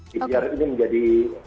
kisiar ini menjadi